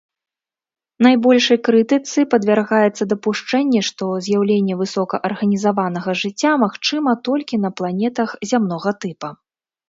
Найбольшай крытыцы падвяргаецца дапушчэнне, што з'яўленне высокаарганізаванага жыцця магчыма толькі на планетах зямнога тыпа.